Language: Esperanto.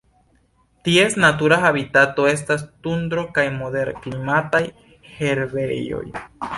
Ties natura habitato estas tundro kaj moderklimataj herbejoj.